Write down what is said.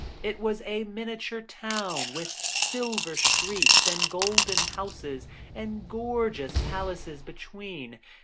It was a miniature town, with silver streets and golden houses, and gorgeous palaces in between.